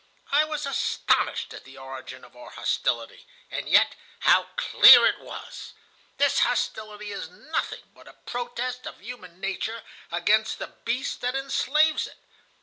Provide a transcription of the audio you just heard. "I was astonished at the origin of our hostility, and yet how clear it was! This hostility is nothing but a protest of human nature against the beast that enslaves it.